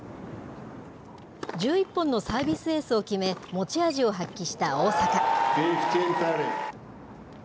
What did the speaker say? １１本のサービスエースを決め、持ち味を発揮した大坂。